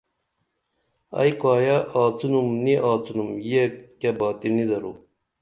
ائی کایہ آڅِنُم نی آڅِنُم یہ کیہ باتی نی درو